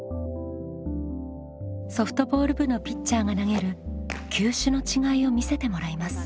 ソフトボール部のピッチャーが投げる球種の違いを見せてもらいます。